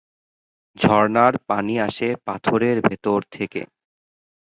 ঝর্ণার পানি আসে পাথরের ভেতর থেকে।